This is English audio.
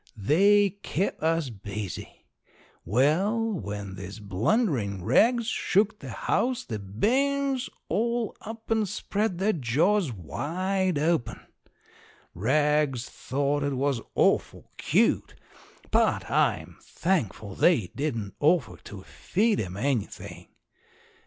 They kep' us busy. Well, when these blunderin' rags shook the house the bairns all up and spread their jaws wide open. Rags thought it was awful cute, but I'm thankful they didn't offer to feed 'em anything.